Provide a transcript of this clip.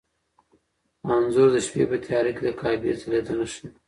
انځور د شپې په تیاره کې د کعبې ځلېدنه ښيي.